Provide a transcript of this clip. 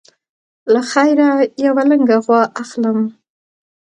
له خیره یوه لنګه غوا اخلم.